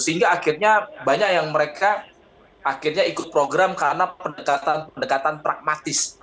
sehingga akhirnya banyak yang mereka akhirnya ikut program karena pendekatan pendekatan pragmatis